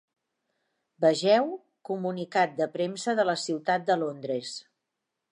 Vegeu: comunicat de premsa de la Ciutat de Londres.